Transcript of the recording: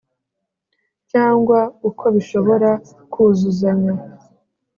Cyangwa uko bishobora kuzuzanya